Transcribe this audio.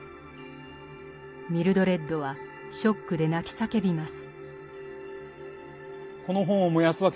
ミルドレッドはショックで泣き叫びます。